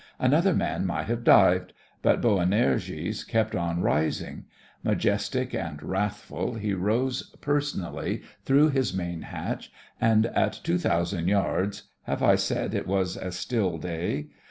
Another man might have dived, but Boanerges kept on rising. Majestic and wrathful he rose personally through his main hatch, and at 2000 yards (have I said it was a still day.'')